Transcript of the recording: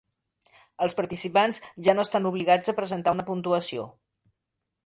Els participants ja no estan obligats a presentar una puntuació.